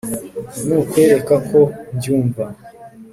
nukwereka ko mbyumva